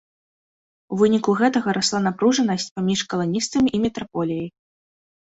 У выніку гэтага расла напружанасць паміж каланістамі і метраполіяй.